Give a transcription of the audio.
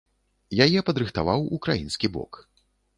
Яе падрыхтаваў украінскі бок.